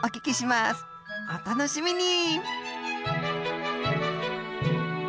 お楽しみに！